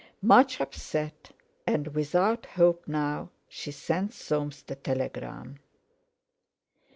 Much upset, and without hope now, she sent Soames the telegram.